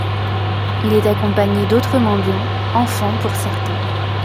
Il est accompagné d'autres mendiants, enfants pour certains.